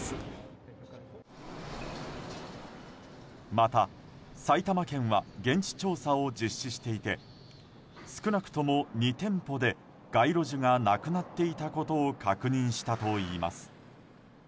また、埼玉県は現地調査を実施していて少なくとも２店舗で街路樹がなくなっていたことを確認したといいます。